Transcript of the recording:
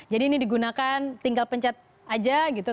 jadi ini digunakan tinggal pencet aja gitu